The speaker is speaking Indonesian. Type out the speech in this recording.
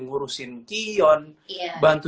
ngurusin kion bantu